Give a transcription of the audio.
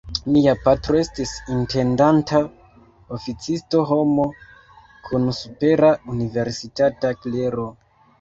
Mia patro estis intendanta oficisto, homo kun supera universitata klero.